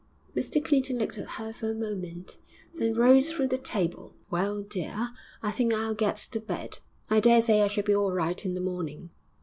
Mr Clinton looked at her for a moment, then rose from the table. 'Well, dear, I think I'll get to bed; I daresay I shall be all right in the morning.'